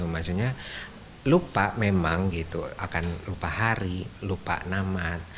maksudnya lupa memang gitu akan lupa hari lupa nama